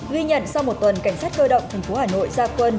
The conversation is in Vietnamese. ghi nhận sau một tuần cảnh sát cơ động thành phố hà nội gia quân